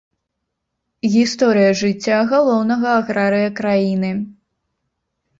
Гісторыя жыцця галоўнага аграрыя краіны.